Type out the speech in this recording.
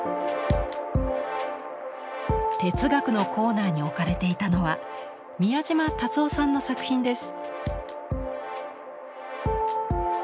哲学のコーナーに置かれていたのは宮島達男さんの作品です。